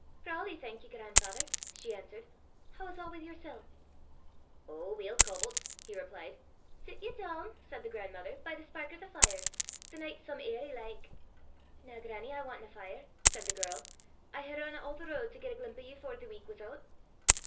"Brawly, thank ye, gran'father," she answered. "Hoo's a' wi' yersel'?" "Ow, weel cobblet!" he replied. "Sit ye doon," said the grandmother, "by the spark o' fire; the nicht 's some airy like." "Na, grannie, I want nae fire," said the girl. "I hae run a' the ro'd to get a glimp' o' ye afore the week was oot."